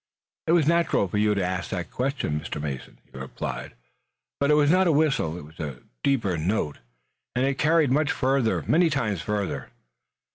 "It was natural for you to ask that question, Mr. Mason," he replied, "but it was not a whistle. It was a deeper note, and it carried much farther, many times farther.